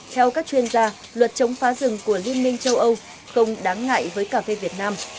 theo các chuyên gia luật chống phá rừng của liên minh châu âu không đáng ngại với cà phê việt nam